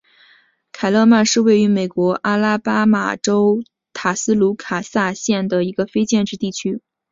凯勒曼是位于美国阿拉巴马州塔斯卡卢萨县的一个非建制地区。